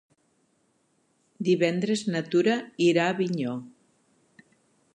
Divendres na Tura irà a Avinyó.